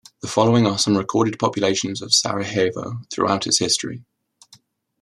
The following are some recorded populations of Sarajevo throughout its history.